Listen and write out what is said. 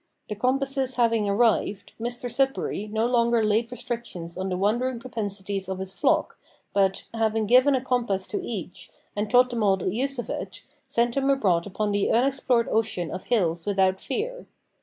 The compasses having arrived, Mr Sudberry no longer laid restrictions on the wandering propensities of his flock but, having given a compass to each, and taught them all the use of it, sent them abroad upon the unexplored ocean of hills without fear.